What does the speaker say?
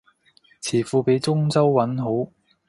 詞庫畀中州韻好